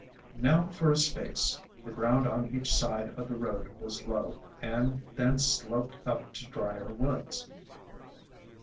Now, for a space, the ground on each side of the road was low, and then sloped up to drier woods.